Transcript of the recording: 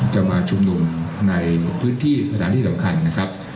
จะมาชุมนุมในพื้นที่สถานที่สำคัญนะครับ